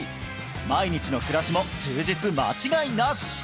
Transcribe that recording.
毎日の暮らしも充実間違いなし！